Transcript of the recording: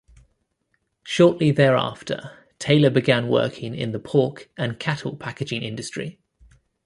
Shortly thereafter, Taylor began working in the pork and cattle packaging industry.